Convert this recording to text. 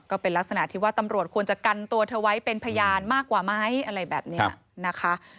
ก็เป็นลักษณะที่ว่าตำรวจควรจะกันตัวเธอไว้เป็นพยานมากกว่าไหมอะไรแบบนี้นะคะ